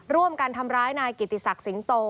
ร่วมกันทำร้ายนายกิติศักดิ์สิงโต